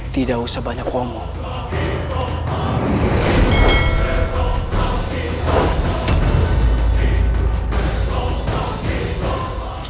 tidak usah banyak ngomong